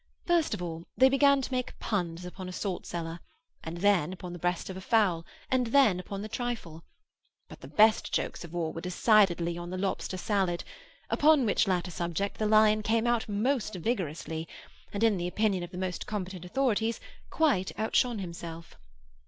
First of all, they began to make puns upon a salt cellar, and then upon the breast of a fowl, and then upon the trifle; but the best jokes of all were decidedly on the lobster salad, upon which latter subject the lion came out most vigorously, and, in the opinion of the most competent authorities, quite outshone himself.